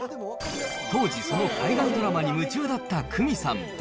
当時、その海外ドラマに夢中だった倉実さん。